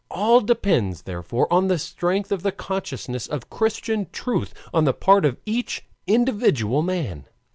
All depends, therefore, on the strength of the consciousness of Christian truth on the part of each individual man.